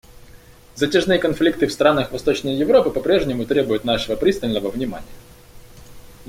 Затяжные конфликты в странах Восточной Европы по-прежнему требуют нашего пристального внимания.